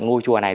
ngôi chùa này